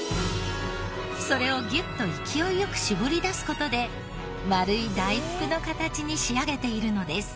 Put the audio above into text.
それをギュッと勢いよく絞り出す事で丸い大福の形に仕上げているのです。